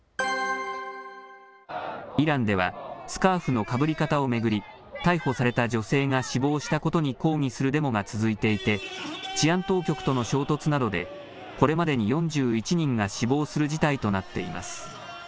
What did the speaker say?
イランではスカーフのかぶり方を巡り逮捕された女性が死亡したことに抗議するデモが続いていて治安当局との衝突などでこれまでに４１人が死亡する事態となっています。